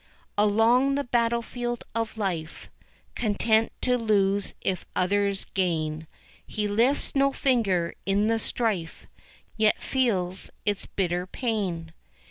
Along the battle field of life, Content to lose if others gain, He lifts no finger in the strife, Yet feels its bitter pain.